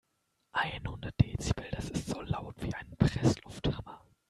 Einhundert Dezibel, das ist so laut wie ein Presslufthammer.